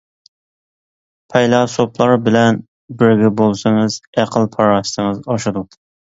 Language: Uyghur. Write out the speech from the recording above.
پەيلاسوپلار بىلەن بىرگە بولسىڭىز، ئەقىل-پاراسىتىڭىز ئاشىدۇ.